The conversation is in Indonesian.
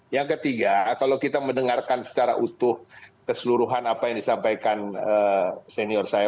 yang ketiga kalau kita mendengarkan secara utuh keseluruhan apa yang disampaikan senior saya